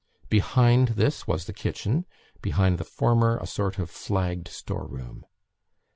Behind this was the kitchen; behind the former, a sort of flagged store room.